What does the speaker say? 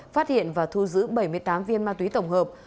phát hiện và thu giữ bảy mươi tám viên ma túy tổng hợp